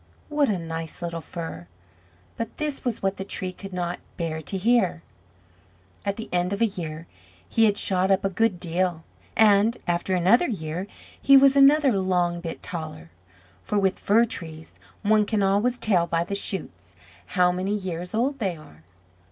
what a nice little fir!" But this was what the Tree could not bear to hear. At the end of a year he had shot up a good deal, and after another year he was another long bit taller; for with fir trees one can always tell by the shoots how many years old they are.